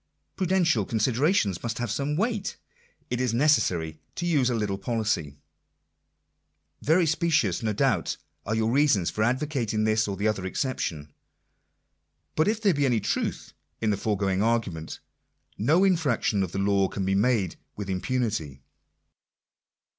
Prudential con siderations must have some weight. It is necessary to use a little policy. Very specious, no doubt, are your reasons for advocating this Digitized by VjOOQIC INTRODUCTION. 43 or the other exception. But if there he any truth in the fore going argument, no infraction of the law can be made with impunity.